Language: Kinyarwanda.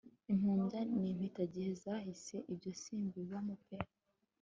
impumbya ni impitagihe za hahise ibyo simbibamo pe